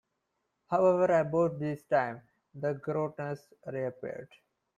However, about this time the Grodners reappeared.